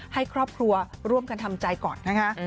ให้ครอบครัวร่วมกันทำใจก่อนนะคะ